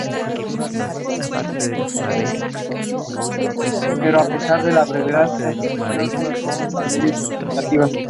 Alargó su carrera jugando un mes en el Hapoel Jerusalem de la liga israelí.